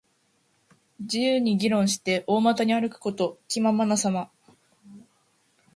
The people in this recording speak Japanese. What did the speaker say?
自由に議論して、大股に歩くこと。気ままなさま。